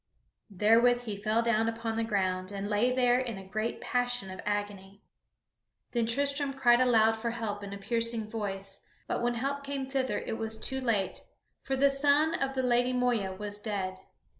Therewith he fell down upon the ground and lay there in a great passion of agony. Then Tristram cried aloud for help in a piercing voice; but when help came thither it was too late, for the son of the Lady Moeya was dead.